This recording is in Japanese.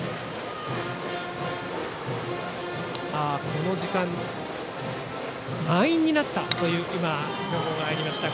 この時間、満員になったという情報が入りました。